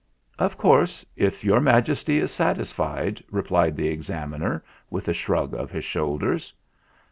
"Of course, if Your Majesty is satisfied " replied the Examiner, with a shrug of his shoulders.